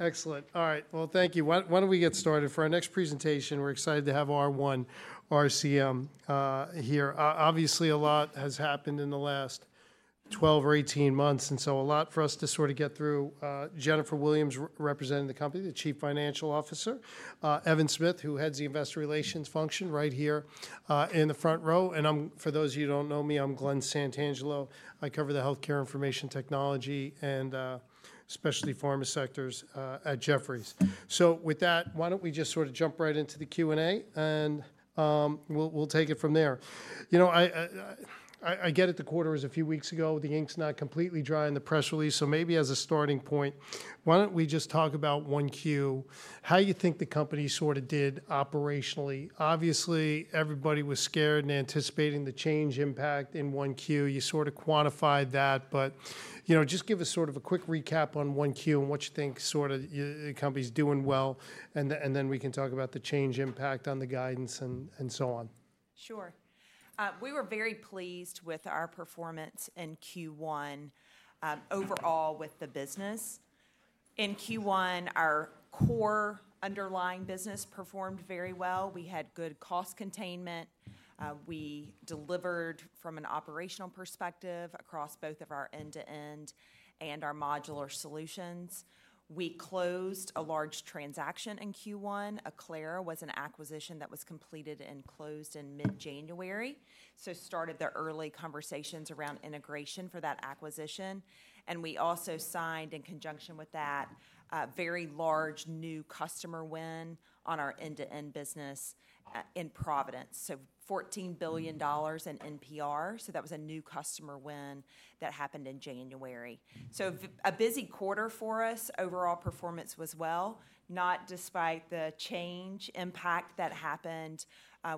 Excellent. All right, well, thank you. Why don't we get started? For our next presentation, we're excited to have R1 RCM here. Obviously, a lot has happened in the last 12 or 18 months, and so a lot for us to sort of get through. Jennifer Williams, representing the company, the Chief Financial Officer, Evan Smith, who heads the investor relations function, right here, in the front row. And I'm, for those of you who don't know me, I'm Glen Santangelo. I cover the healthcare information technology and, especially pharma sectors, at Jefferies. So with that, why don't we just sort of jump right into the Q&A, and, we'll take it from there. You know, I get it, the quarter was a few weeks ago. The ink's not completely dry in the press release, so maybe as a starting point, why don't we just talk about 1Q, how you think the company sort of did operationally? Obviously, everybody was scared and anticipating the change impact in 1Q. You sort of quantified that, but, you know, just give us sort of a quick recap on 1Q and what you think sort of the company's doing well, and then, and then we can talk about the change impact on the guidance and, and so on. Sure. We were very pleased with our performance in Q1, overall with the business. In Q1, our core underlying business performed very well. We had good cost containment. We delivered from an operational perspective across both of our end-to-end and our modular solutions. We closed a large transaction in Q1. Acclara was an acquisition that was completed and closed in mid-January, so started the early conversations around integration for that acquisition. And we also signed, in conjunction with that, a very large new customer win on our end-to-end business, in Providence, so $14 billion in NPR. So that was a new customer win that happened in January. So a busy quarter for us. Overall performance was well, not despite the Change impact that happened,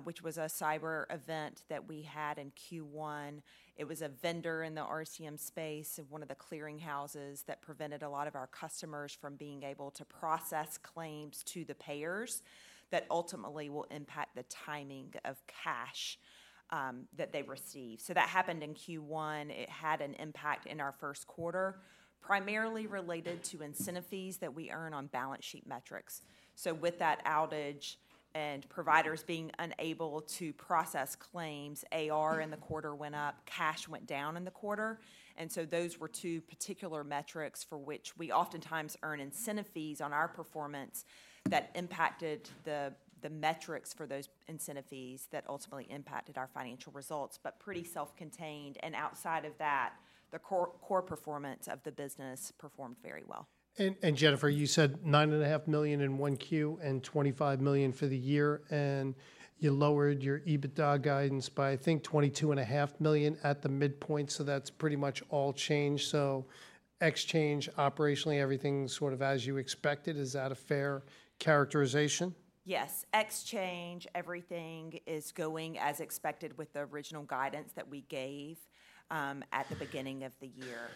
which was a cyber event that we had in Q1. It was a vendor in the RCM space of one of the clearinghouses that prevented a lot of our customers from being able to process claims to the payers that ultimately will impact the timing of cash that they receive. So that happened in Q1. It had an impact in our first quarter, primarily related to incentive fees that we earn on balance sheet metrics. So with that outage and providers being unable to process claims, AR in the quarter went up, cash went down in the quarter. And so those were two particular metrics for which we oftentimes earn incentive fees on our performance that impacted the metrics for those incentive fees that ultimately impacted our financial results. But pretty self-contained, and outside of that, the core performance of the business performed very well. And, Jennifer, you said $9.5 million in 1Q and $25 million for the year, and you lowered your EBITDA guidance by, I think, $22.5 million at the midpoint, so that's pretty much all Change. So at Change operationally, everything's sort of as you expected. Is that a fair characterization? Yes. At Change, everything is going as expected with the original guidance that we gave at the beginning of the year.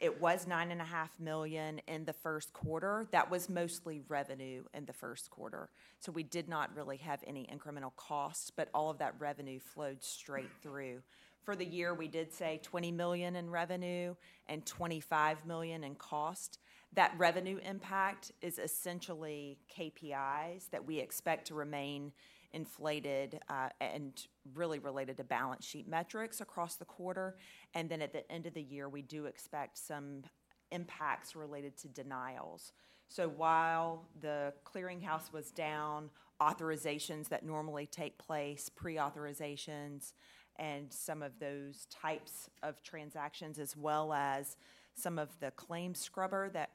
It was $9.5 million in the first quarter. That was mostly revenue in the first quarter, so we did not really have any incremental costs, but all of that revenue flowed straight through. For the year, we did say $20 million in revenue and $25 million in cost. That revenue impact is essentially KPIs that we expect to remain inflated, and really related to balance sheet metrics across the quarter, and then at the end of the year, we do expect some impacts related to denials. So while the clearinghouse was down, authorizations that normally take place, pre-authorizations and some of those types of transactions, as well as some of the claims scrubber, that,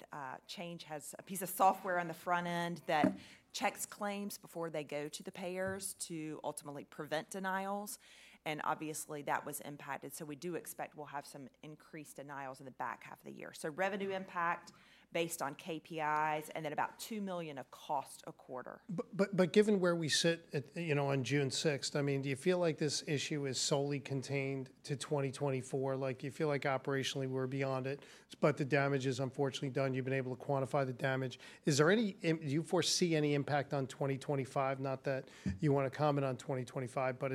Change has a piece of software on the front end that checks claims before they go to the payers to ultimately prevent denials, and obviously, that was impacted. So we do expect we'll have some increased denials in the back half of the year. So revenue impact based on KPIs, and then about $2 million of cost a quarter. But given where we sit at, you know, on June 6th, I mean, do you feel like this issue is solely contained to 2024? Like, you feel like operationally we're beyond it, but the damage is unfortunately done. You've been able to quantify the damage. Is there any impact? Do you foresee any impact on 2025? Not that you want to comment on 2025, but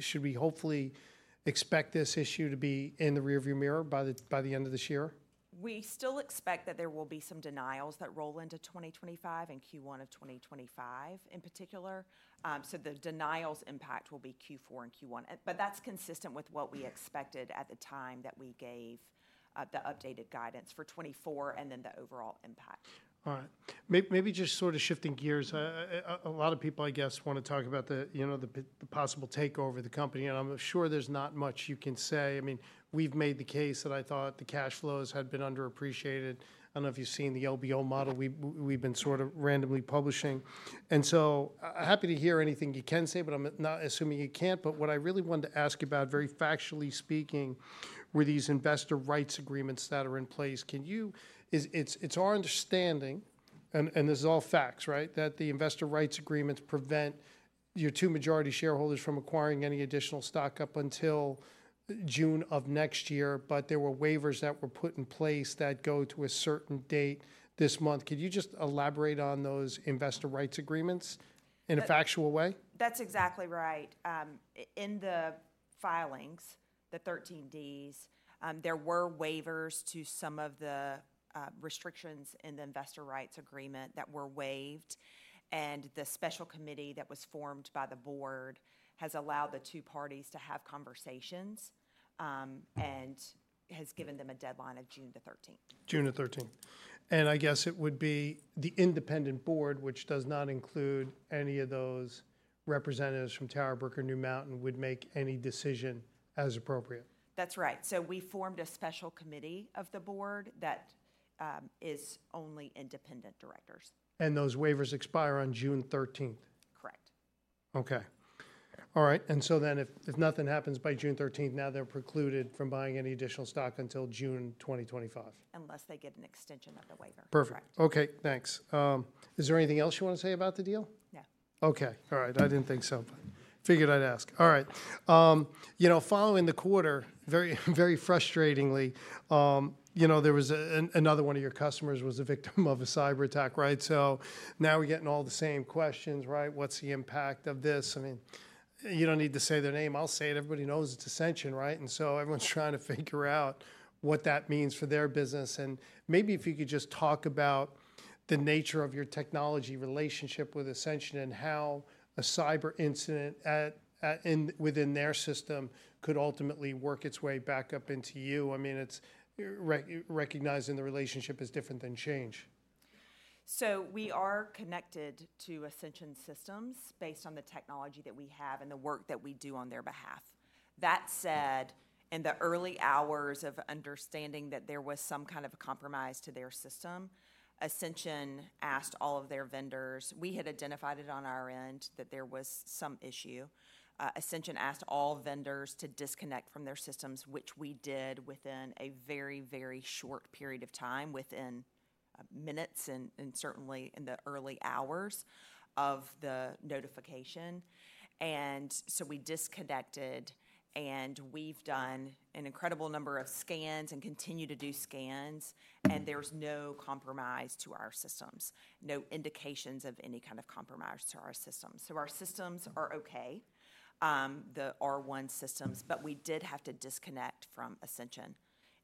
should we hopefully expect this issue to be in the rearview mirror by the end of this year? We still expect that there will be some denials that roll into 2025 and Q1 of 2025, in particular. So the denials impact will be Q4 and Q1, but that's consistent with what we expected at the time that we gave the updated guidance for 2024 and then the overall impact. All right. Maybe just sort of shifting gears, a lot of people, I guess, want to talk about the, you know, the possible takeover of the company, and I'm sure there's not much you can say. I mean, we've made the case that I thought the cash flows had been underappreciated. I don't know if you've seen the LBO model we've been sort of randomly publishing, and so, happy to hear anything you can say, but I'm not assuming you can't. But what I really wanted to ask about, very factually speaking, were these investor rights agreements that are in place. It's our understanding, and this is all facts, right, that the investor rights agreements prevent your two majority shareholders from acquiring any additional stock up until June of next year, but there were waivers that were put in place that go to a certain date this month. Could you just elaborate on those investor rights agreements in a factual way? That's exactly right. In the filings, the 13D's, there were waivers to some of the restrictions in the investor rights agreement that were waived, and the special committee that was formed by the board has allowed the two parties to have conversations, and has given them a deadline of June the 13th. June the 13th. I guess it would be the independent board, which does not include any of those representatives from TowerBrook or New Mountain, would make any decision as appropriate? That's right. So we formed a special committee of the board that is only independent directors. Those waivers expire on June 13th? Correct. Okay. All right, and so then if, if nothing happens by June 13th, now they're precluded from buying any additional stock until June 2025? Unless they get an extension of the waiver. Perfect. Correct. Okay, thanks. Is there anything else you want to say about the deal? No. Okay. All right, I didn't think so. Figured I'd ask. All right. You know, following the quarter, very, very frustratingly, you know, there was another one of your customers was a victim of a cyberattack, right? So now we're getting all the same questions, right? What's the impact of this? I mean, you don't need to say their name. I'll say it, everybody knows it's Ascension, right? And so everyone's trying to figure out what that means for their business, and maybe if you could just talk about the nature of your technology relationship with Ascension, and how a cyber incident at, in, within their system could ultimately work its way back up into you. I mean, it's recognizing the relationship is different than Change. So we are connected to Ascension systems based on the technology that we have and the work that we do on their behalf. That said, in the early hours of understanding that there was some kind of a compromise to their system, Ascension asked all of their vendors, we had identified it on our end that there was some issue. Ascension asked all vendors to disconnect from their systems, which we did within a very, very short period of time, within minutes and, and certainly in the early hours of the notification. And so we disconnected, and we've done an incredible number of scans and continue to do scans, and there's no compromise to our systems, no indications of any kind of compromise to our systems. So our systems are okay, the R1 systems, but we did have to disconnect from Ascension.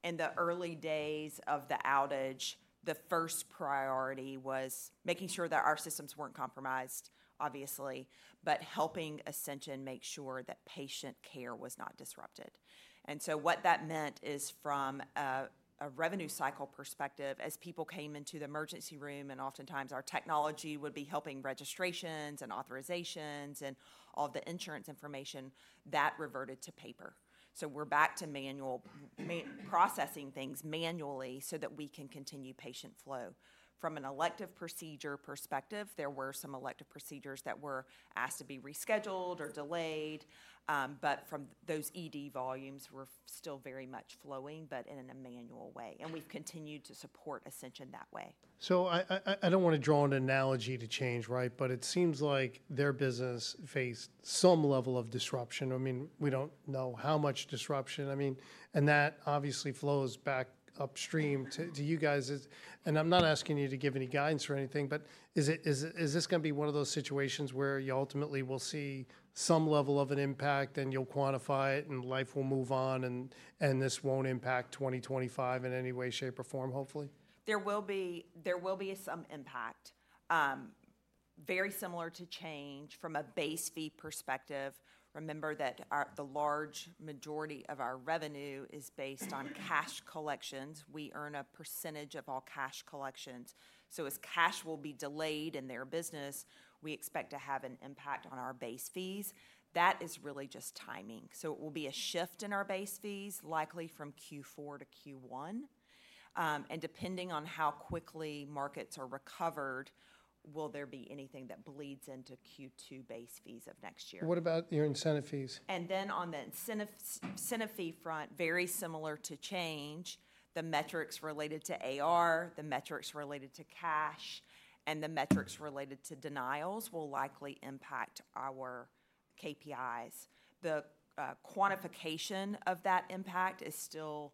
In the early days of the outage, the first priority was making sure that our systems weren't compromised, obviously, but helping Ascension make sure that patient care was not disrupted. So what that meant is from a revenue cycle perspective, as people came into the emergency room, and oftentimes our technology would be helping registrations and authorizations and all the insurance information, that reverted to paper. We're back to manual processing things manually so that we can continue patient flow. From an elective procedure perspective, there were some elective procedures that were asked to be rescheduled or delayed, but from those ED volumes were still very much flowing but in a manual way, and we've continued to support Ascension that way. So I don't want to draw an analogy to Change, right? But it seems like their business faced some level of disruption. I mean, we don't know how much disruption. I mean, and that obviously flows back upstream to you guys. And I'm not asking you to give any guidance or anything, but is it this gonna be one of those situations where you ultimately will see some level of an impact, and you'll quantify it, and life will move on and this won't impact 2025 in any way, shape, or form, hopefully? There will be some impact, very similar to Change from a base fee perspective. Remember that our, the large majority of our revenue is based on cash collections. We earn a percentage of all cash collections, so as cash will be delayed in their business, we expect to have an impact on our base fees. That is really just timing. So it will be a shift in our base fees, likely from Q4 to Q1. And depending on how quickly markets are recovered, will there be anything that bleeds into Q2 base fees of next year? What about your incentive fees? And then on the incentive fee front, very similar to Change, the metrics related to AR, the metrics related to cash, and the metrics related to denials will likely impact our KPIs. The quantification of that impact is still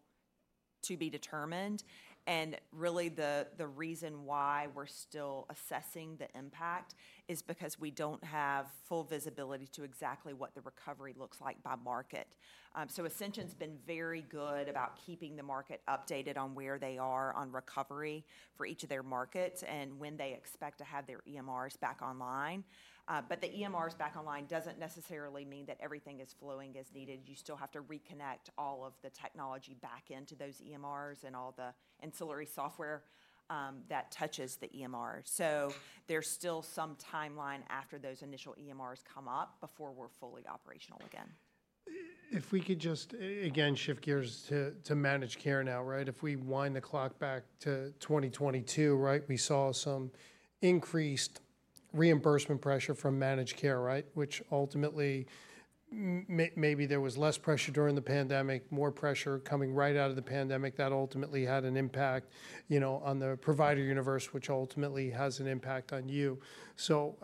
to be determined, and really, the reason why we're still assessing the impact is because we don't have full visibility to exactly what the recovery looks like by market. So Ascension's been very good about keeping the market updated on where they are on recovery for each of their markets and when they expect to have their EMRs back online. But the EMRs back online doesn't necessarily mean that everything is flowing as needed. You still have to reconnect all of the technology back into those EMRs and all the ancillary software that touches the EMR. There's still some timeline after those initial EMRs come up before we're fully operational again. If we could just again shift gears to managed care now, right? If we wind the clock back to 2022, right, we saw some increased reimbursement pressure from managed care, right? Which ultimately maybe there was less pressure during the pandemic, more pressure coming right out of the pandemic. That ultimately had an impact, you know, on the provider universe, which ultimately has an impact on you. So,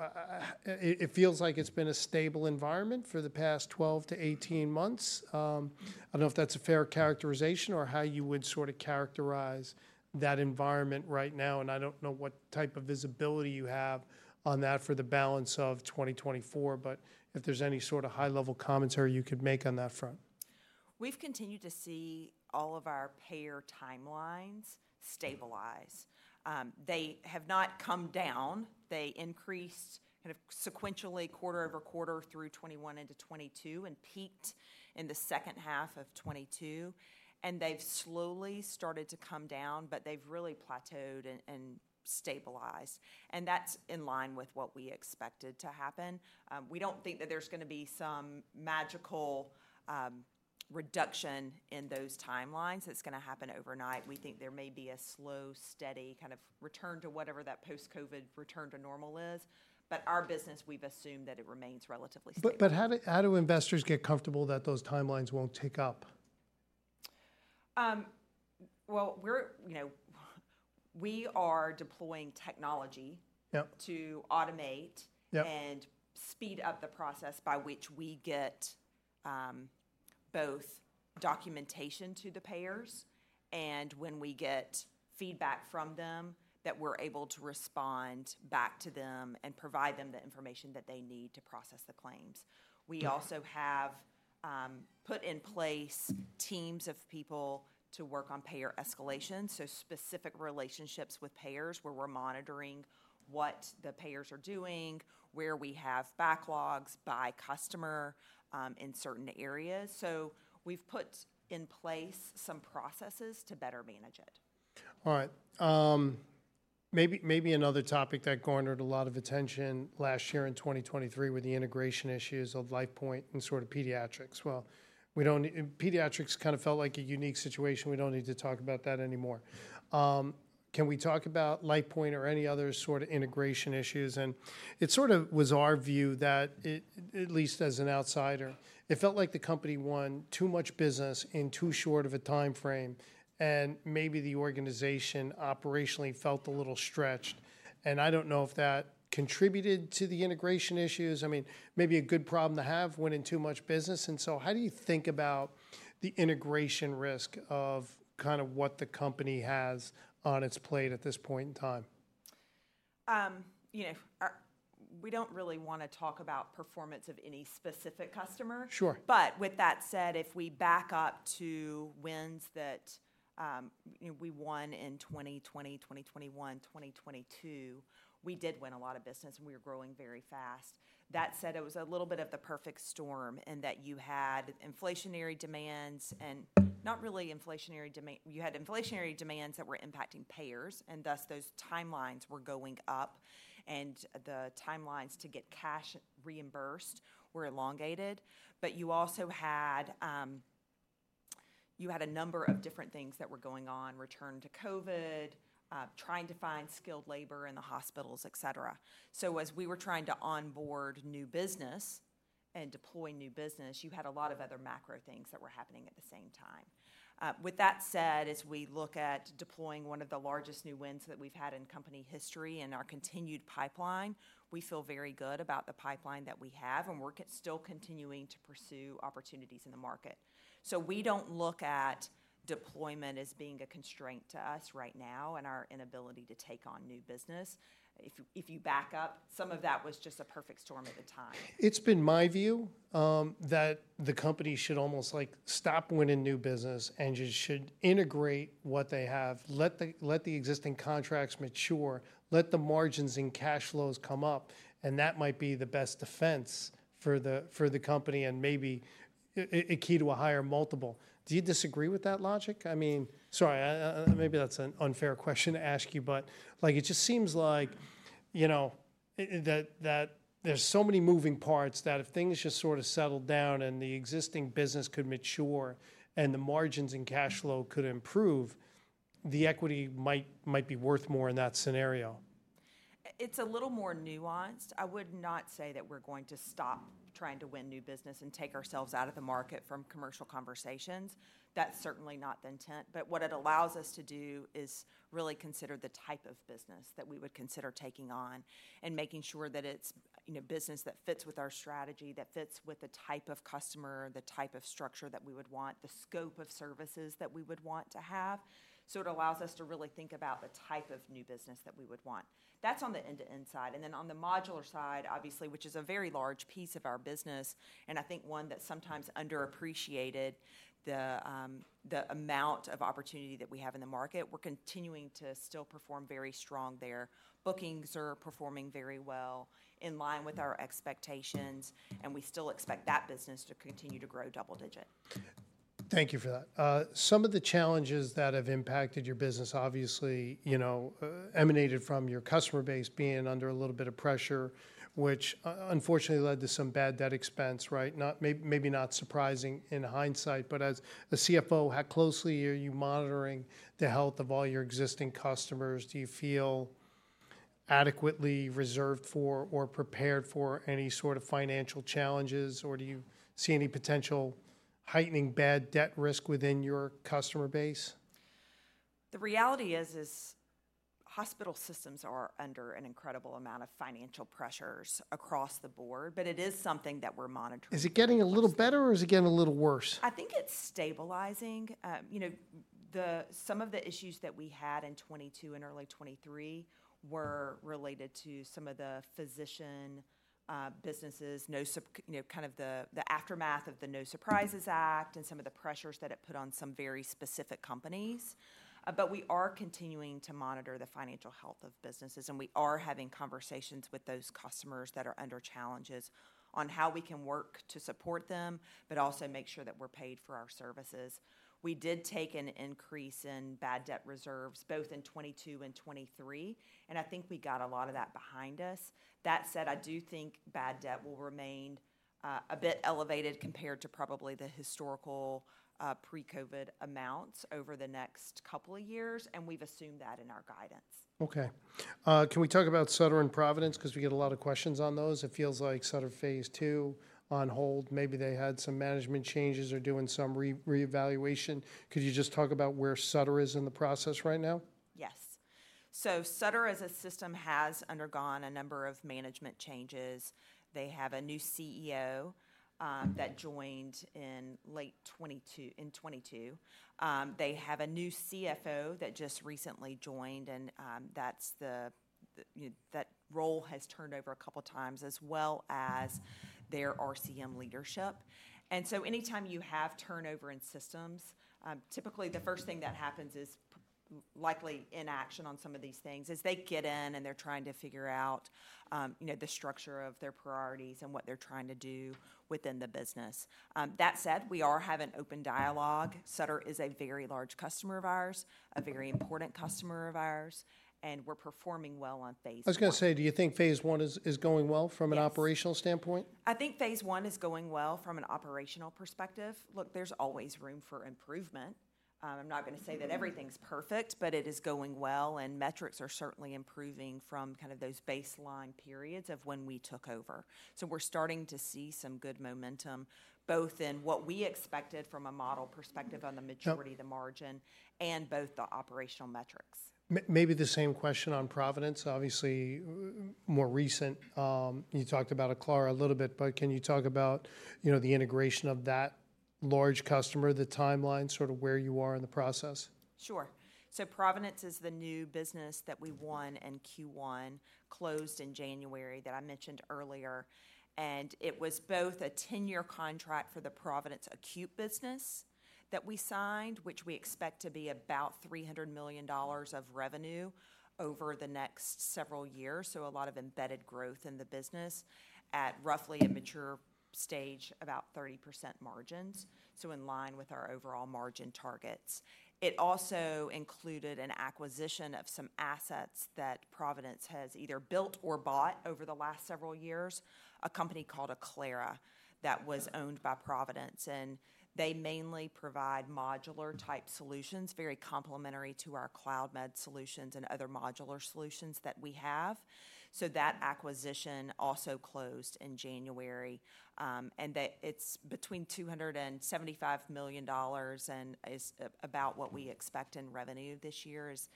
it feels like it's been a stable environment for the past 12-18 months. I don't know if that's a fair characterization or how you would sort of characterize that environment right now, and I don't know what type of visibility you have on that for the balance of 2024, but if there's any sort of high-level commentary you could make on that front. We've continued to see all of our payer timelines stabilize. They have not come down. They increased kind of sequentially quarter-over-quarter through 2021 into 2022, and peaked in the second half of 2022. And they've slowly started to come down, but they've really plateaued and stabilized, and that's in line with what we expected to happen. We don't think that there's gonna be some magical reduction in those timelines that's gonna happen overnight. We think there may be a slow, steady kind of return to whatever that post-COVID return to normal is. But our business, we've assumed that it remains relatively stable. But how do investors get comfortable that those timelines won't tick up? Well, we're, you know, we are deploying technology- Yep. To automate- Yep And speed up the process by which we get both documentation to the payers, and when we get feedback from them, that we're able to respond back to them and provide them the information that they need to process the claims. Yeah. We also have put in place teams of people to work on payer escalation, so specific relationships with payers, where we're monitoring what the payers are doing, where we have backlogs by customer in certain areas. So we've put in place some processes to better manage it. All right. Maybe, maybe another topic that garnered a lot of attention last year in 2023, were the integration issues of LifePoint and sort of pediatrics. Well, pediatrics kind of felt like a unique situation. We don't need to talk about that anymore. Can we talk about LifePoint or any other sort of integration issues? And it sort of was our view that it, at least as an outsider, it felt like the company won too much business in too short of a timeframe, and maybe the organization operationally felt a little stretched. And I don't know if that contributed to the integration issues. I mean, maybe a good problem to have, winning too much business, and so how do you think about the integration risk of kind of what the company has on its plate at this point in time? You know, we don't really wanna talk about performance of any specific customer. Sure. But with that said, if we back up to wins that, you know, we won in 2020, 2021, 2022, we did win a lot of business, and we were growing very fast. That said, it was a little bit of the perfect storm in that you had inflationary demands that were impacting payers, and thus those timelines were going up, and the timelines to get cash reimbursed were elongated. But you also had, you had a number of different things that were going on: return to COVID, trying to find skilled labor in the hospitals, et cetera. So as we were trying to onboard new business and deploy new business, you had a lot of other macro things that were happening at the same time. With that said, as we look at deploying one of the largest new wins that we've had in company history and our continued pipeline, we feel very good about the pipeline that we have, and we're still continuing to pursue opportunities in the market. So we don't look at deployment as being a constraint to us right now and our inability to take on new business. If you back up, some of that was just a perfect storm at the time. It's been my view that the company should almost, like, stop winning new business and just should integrate what they have, let the existing contracts mature, let the margins and cash flows come up, and that might be the best defense for the company and maybe a key to a higher multiple. Do you disagree with that logic? I mean sorry, maybe that's an unfair question to ask you, but, like, it just seems like, you know, that there's so many moving parts, that if things just sort of settled down and the existing business could mature and the margins and cash flow could improve, the equity might be worth more in that scenario. It's a little more nuanced. I would not say that we're going to stop trying to win new business and take ourselves out of the market from commercial conversations. That's certainly not the intent. But what it allows us to do is really consider the type of business that we would consider taking on and making sure that it's, you know, business that fits with our strategy, that fits with the type of customer, the type of structure that we would want, the scope of services that we would want to have. So it allows us to really think about the type of new business that we would want. That's on the end-to-end side, and then on the modular side, obviously, which is a very large piece of our business, and I think one that's sometimes underappreciated, the amount of opportunity that we have in the market. We're continuing to still perform very strong there. Bookings are performing very well, in line with our expectations, and we still expect that business to continue to grow double digit. Thank you for that. Some of the challenges that have impacted your business, obviously, you know, emanated from your customer base being under a little bit of pressure, which, unfortunately, led to some bad debt expense, right? Maybe not surprising in hindsight, but as the CFO, how closely are you monitoring the health of all your existing customers? Do you feel adequately reserved for or prepared for any sort of financial challenges, or do you see any potential heightening bad debt risk within your customer base? The reality is, hospital systems are under an incredible amount of financial pressures across the board, but it is something that we're monitoring. Is it getting a little better, or is it getting a little worse? I think it's stabilizing. You know, some of the issues that we had in 2022 and early 2023- Mm-hmm Were related to some of the physician businesses. No Surprises Act, you know, kind of the aftermath of the No Surprises Act and some of the pressures that it put on some very specific companies. But we are continuing to monitor the financial health of businesses, and we are having conversations with those customers that are under challenges on how we can work to support them, but also make sure that we're paid for our services. We did take an increase in bad debt reserves, both in 2022 and 2023, and I think we got a lot of that behind us. That said, I do think bad debt will remain a bit elevated compared to probably the historical pre-COVID amounts over the next couple of years, and we've assumed that in our guidance. Okay. Can we talk about Sutter and Providence? 'Cause we get a lot of questions on those. It feels like Sutter phase II on hold. Maybe they had some management changes or doing some reevaluation. Could you just talk about where Sutter is in the process right now? Yes. So Sutter, as a system, has undergone a number of management changes. They have a new CEO that joined in late 2022, in 2022. They have a new CFO that just recently joined, and that's the, you know, that role has turned over a couple times, as well as their RCM leadership. And so anytime you have turnover in systems, typically the first thing that happens is likely inaction on some of these things, as they get in, and they're trying to figure out, you know, the structure of their priorities and what they're trying to do within the business. That said, we all have an open dialogue. Sutter is a very large customer of ours, a very important customer of ours, and we're performing well on phase I. I was gonna say, do you think phase I is going well from an- Yes Operational standpoint? I think phase I is going well from an operational perspective. Look, there's always room for improvement. I'm not gonna say that everything's perfect, but it is going well, and metrics are certainly improving from kind of those baseline periods of when we took over. So we're starting to see some good momentum, both in what we expected from a model perspective on the majority- Yep The margin, and both the operational metrics. Maybe the same question on Providence, obviously, more recent. You talked about Acclara a little bit, but can you talk about, you know, the integration of that large customer, the timeline, sort of where you are in the process? Sure. So Providence is the new business that we won in Q1, closed in January, that I mentioned earlier, and it was both a 10-year contract for the Providence acute business that we signed, which we expect to be about $300 million of revenue over the next several years, so a lot of embedded growth in the business at roughly a mature stage, about 30% margins, so in line with our overall margin targets. It also included an acquisition of some assets that Providence has either built or bought over the last several years, a company called Acclara, that was owned by Providence, and they mainly provide modular-type solutions, very complementary to our Cloudmed solutions and other modular solutions that we have. So that acquisition also closed in January, and that it's between $275 million, and is about what we expect in revenue this year, is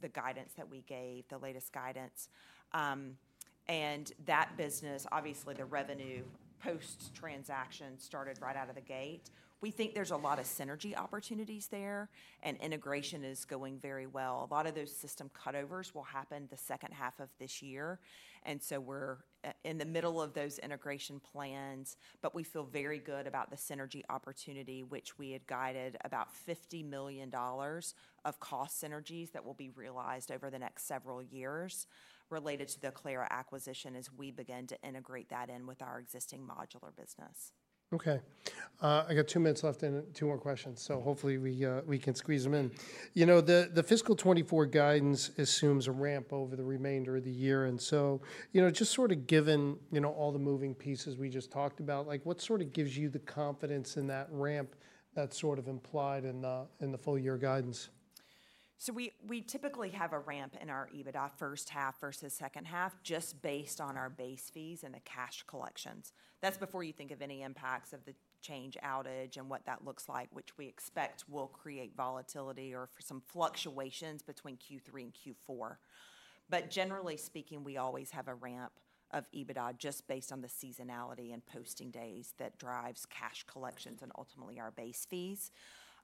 the guidance that we gave, the latest guidance. And that business, obviously, the revenue post-transaction started right out of the gate. We think there's a lot of synergy opportunities there, and integration is going very well. A lot of those system cutovers will happen the second half of this year, and so we're in the middle of those integration plans. But we feel very good about the synergy opportunity, which we had guided about $50 million of cost synergies that will be realized over the next several years related to the Acclara acquisition, as we begin to integrate that in with our existing modular business. Okay. I got two minutes left and two more questions, so hopefully we, we can squeeze them in. You know, the, the fiscal 2024 guidance assumes a ramp over the remainder of the year, and so, you know, just sort of given, you know, all the moving pieces we just talked about, like, what sort of gives you the confidence in that ramp that's sort of implied in the, in the full year guidance? So we typically have a ramp in our EBITDA first half versus second half, just based on our base fees and the cash collections. That's before you think of any impacts of the Change outage and what that looks like, which we expect will create volatility or for some fluctuations between Q3 and Q4. But generally speaking, we always have a ramp of EBITDA just based on the seasonality and posting days that drives cash collections and ultimately our base fees.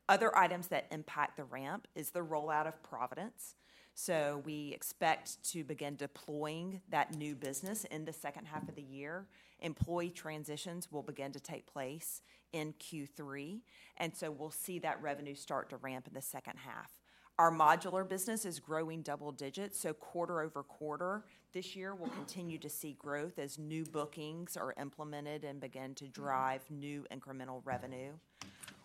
Other items that impact the ramp is the rollout of Providence. So we expect to begin deploying that new business in the second half of the year. Employee transitions will begin to take place in Q3, and so we'll see that revenue start to ramp in the second half. Our modular business is growing double digits, so quarter-over-quarter this year, we'll continue to see growth as new bookings are implemented and begin to drive new incremental revenue.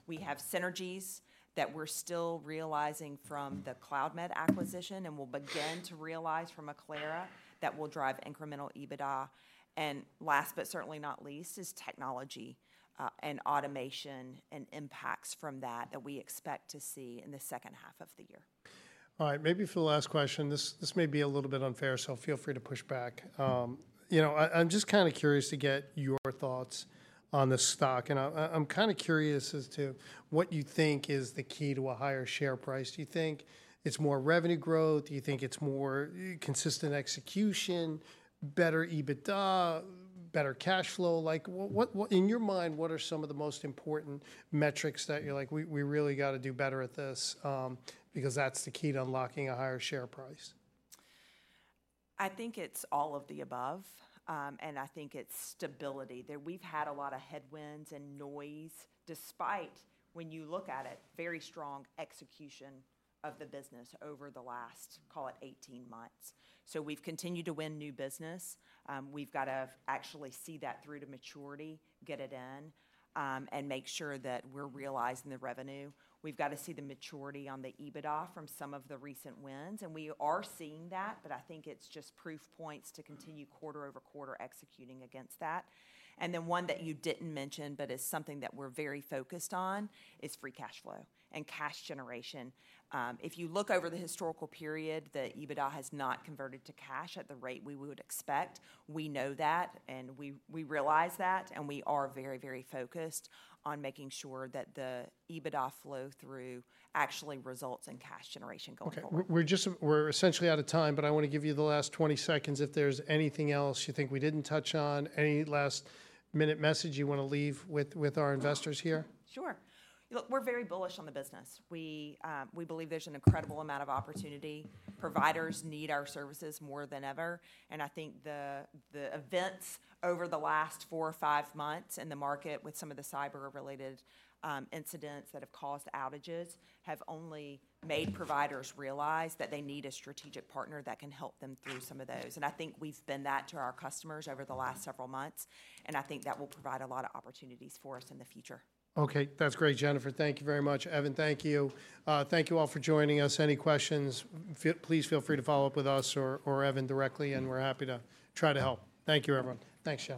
We have synergies that we're still realizing from the Cloudmed acquisition and will begin to realize from Acclara that will drive incremental EBITDA. And last but certainly not least, is technology, and automation and impacts from that that we expect to see in the second half of the year. All right. Maybe for the last question, this may be a little bit unfair, so feel free to push back. You know, I'm just kind of curious to get your thoughts on the stock, and I'm kind of curious as to what you think is the key to a higher share price. Do you think it's more revenue growth? Do you think it's more consistent execution, better EBITDA? Better cash flow? Like, what, in your mind, what are some of the most important metrics that you're like, "we really gotta do better at this, because that's the key to unlocking a higher share price? I think it's all of the above. And I think it's stability. We've had a lot of headwinds and noise, despite, when you look at it, very strong execution of the business over the last, call it 18 months. So we've continued to win new business. We've got to actually see that through to maturity, get it in, and make sure that we're realizing the revenue. We've got to see the maturity on the EBITDA from some of the recent wins, and we are seeing that, but I think it's just proof points to continue quarter-over-quarter executing against that. And then one that you didn't mention, but is something that we're very focused on, is free cash flow and cash generation. If you look over the historical period, the EBITDA has not converted to cash at the rate we would expect. We know that, and we realize that, and we are very, very focused on making sure that the EBITDA flow through actually results in cash generation going forward. Okay. We're essentially out of time, but I want to give you the last 20 seconds, if there's anything else you think we didn't touch on, any last-minute message you want to leave with our investors here? Sure. Look, we're very bullish on the business. We believe there's an incredible amount of opportunity. Providers need our services more than ever, and I think the events over the last four or five months in the market with some of the cyber-related incidents that have caused outages have only made providers realize that they need a strategic partner that can help them through some of those. And I think we've been that to our customers over the last several months, and I think that will provide a lot of opportunities for us in the future. Okay. That's great, Jennifer. Thank you very much. Evan, thank you. Thank you all for joining us. Any questions, please feel free to follow up with us or Evan directly, and we're happy to try to help. Thank you, everyone. Thanks, Jennifer.